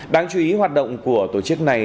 đáng chú ý hoạt động của tổ chức này